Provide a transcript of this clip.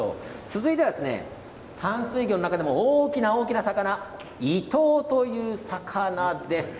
続いては淡水魚の中でも大きな大きな魚イトウという魚です。